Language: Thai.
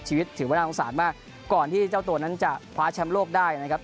ชีวิตถือว่าน่าทรงสารมากก่อนที่เจ้าตัวนี้จะผาชามโลกได้นะครับ